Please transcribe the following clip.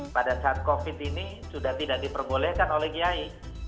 pada saat covid ini sudah tidak diperbolehkan oleh kiai